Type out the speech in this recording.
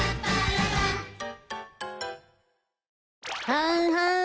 はんはん。